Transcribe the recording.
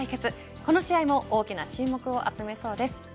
この試合も大きな注目を集めそうです。